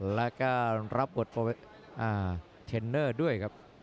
และรับประโยชน์เชนเนอร์ด้วยครับ